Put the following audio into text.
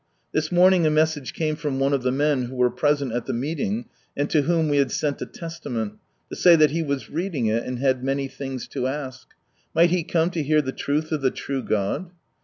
This morning a message came from one of the menwho were present at the meeting, and to whom we had sent a Testament, to say that he was reading it, and had many things to aslc : might he come to hear the "truth of the true God"?